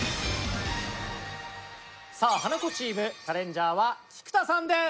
さあハナコチームチャレンジャーは菊田さんです。